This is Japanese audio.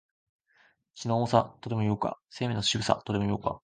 血の重さ、とでも言おうか、生命の渋さ、とでも言おうか、